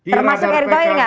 termasuk erick thohir tidak